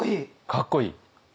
かっこいい？